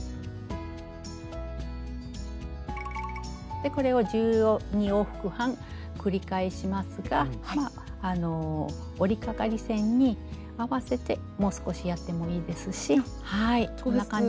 でこれを１２往復半繰り返しますがまああの織りかがり線に合わせてもう少しやってもいいですしはいこんな感じで。